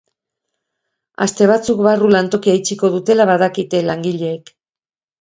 Aste batzuk barru lantokia itxiko dutela badakite langileek.